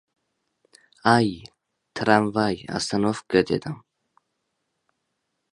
— Ay, tramvay, ostanovka! — dedim.